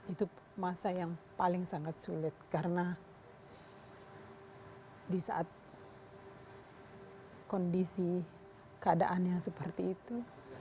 itu masa yang paling sangat sulit karena di saat kondisi keadaannya seperti itu